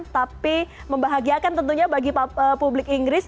tapi membahagiakan tentunya bagi publik inggris